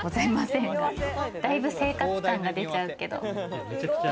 だいぶ生活感が出ちゃうけど。